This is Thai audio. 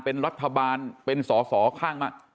เป็นรัฐบาลเป็นสอสอข้างมาก